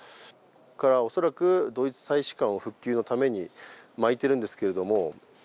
恐らくドイツ大使館を復旧のために巻いているんですけれども。